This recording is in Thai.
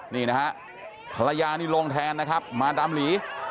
นี่นะฮะภรรยานี่ลงแทนนะครับมาดามหลี